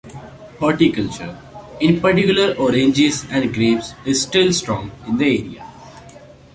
Horticulture, in particular oranges and grapes is still strong in the area.